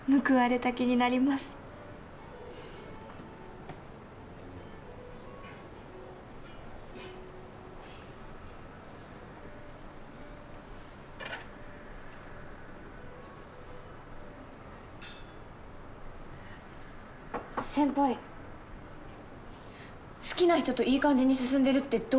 好きな人といい感じに進んでるってどういう事ですか？